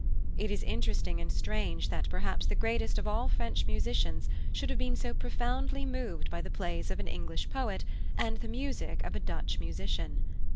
It is interesting and strange that perhaps the greatest of all French musicians should have been so profoundly moved by the plays of an English poet and the music of a Dutch musician.